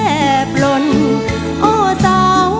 แอร์มันเย็น